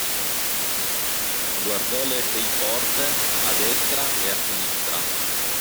Guardò le sei porte, a destra e a sinistra.